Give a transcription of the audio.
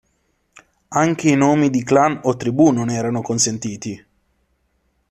Anche i nomi di clan o tribù non erano consentiti.